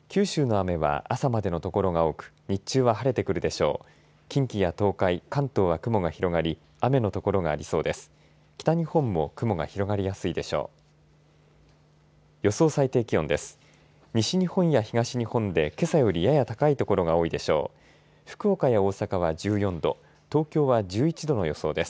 雨の所がありそうです。